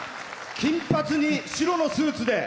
金髪に白のスーツで。